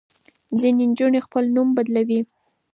ځینې نجونې خپل نوم بدلوي.